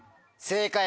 正解！